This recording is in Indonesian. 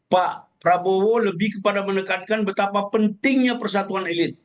pak prabowo lebih kepada menekankan betapa pentingnya persatuan elit